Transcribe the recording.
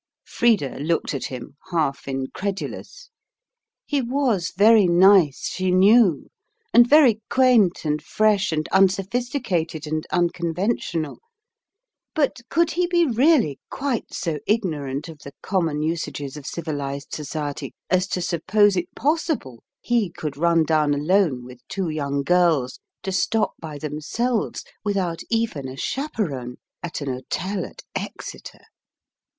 Frida looked at him, half incredulous. He was very nice, she knew, and very quaint and fresh and unsophisticated and unconventional; but could he be really quite so ignorant of the common usages of civilised society as to suppose it possible he could run down alone with two young girls to stop by themselves, without even a chaperon, at an hotel at Exeter?